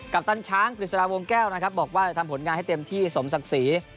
ปตันช้างกฤษฎาวงแก้วนะครับบอกว่าจะทำผลงานให้เต็มที่สมศักดิ์ศรี